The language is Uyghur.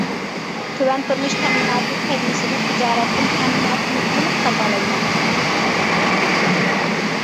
تۆۋەن تۇرمۇش تەمىناتى تەگمىسىمۇ تىجارەتتىن تەمىناتىمنى تولۇق تاپالايمەن.